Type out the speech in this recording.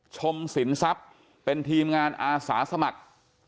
ชมสินทรัพย์เป็นทีมงานอาสาสมัคร